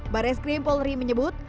baris krim polri menyebut